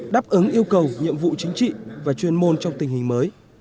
đáp ứng yêu cầu nhiệm vụ chính trị và chuyên môn trong tình hình mới